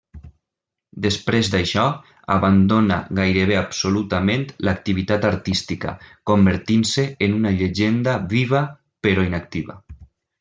Després d'això, abandona gairebé absolutament l'activitat artística, convertint-se en una llegenda viva però inactiva.